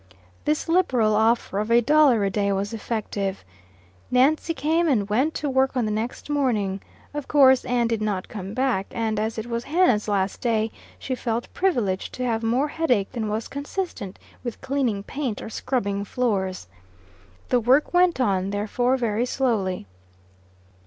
This liberal offer of a dollar a day was effective. Nancy came and went, to work on the next morning. Of course, Ann did not come back; and as it was Hannah's last day, she felt privileged to have more headache than was consistent with cleaning paint or scrubbing floors. The work went on, therefore, very slowly.